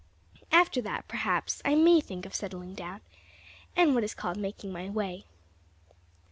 After that, perhaps, I may think of settling down, and what is called making my way."